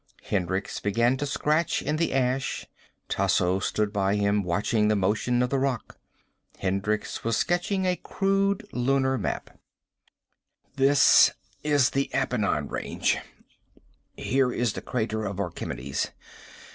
Hendricks began to scratch in the ash. Tasso stood by him, watching the motion of the rock. Hendricks was sketching a crude lunar map. "This is the Appenine range. Here is the Crater of Archimedes.